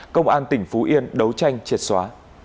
công an tỉnh phú yên đấu tranh triệt xóa